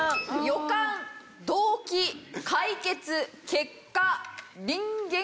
「予感」「動機」「解決」「結果」「林源」？